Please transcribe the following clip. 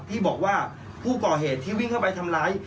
ที่บอกว่าผู้ก่อเหตุที่วิ่งเข้าไปทำร้าย